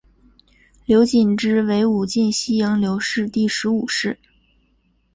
刘谨之为武进西营刘氏第十五世。